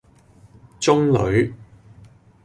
中女